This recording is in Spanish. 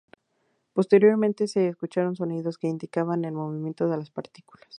Posteriormente, se escucharon sonidos que indicaban el movimiento de las partículas.